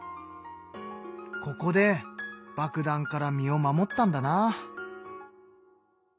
ここで爆弾から身を守ったんだな。